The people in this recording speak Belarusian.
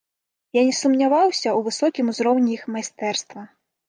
Я не сумняваюся ў высокім узроўні іх майстэрства.